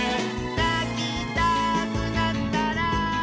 「なきたくなったら」